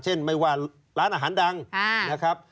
ไม่ว่าร้านอาหารดังนะครับ